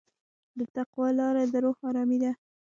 د تقوی لاره د روح ارامي ده.